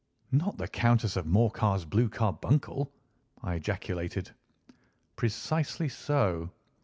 "Not the Countess of Morcar's blue carbuncle!" I ejaculated. "Precisely so.